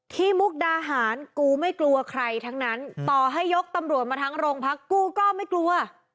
มุกดาหารกูไม่กลัวใครทั้งนั้นต่อให้ยกตำรวจมาทั้งโรงพักกูก็ไม่กลัว